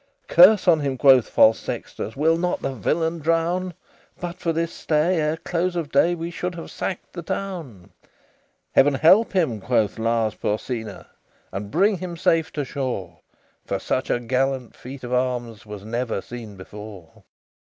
LXIII "Curse on him!" quoth false Sextus; "Will not the villain drown? But for this stay, ere close of day We should have sacked the town!" "Heaven help him!" quoth Lars Porsena "And bring him safe to shore; For such a gallant feat of arms Was never seen before."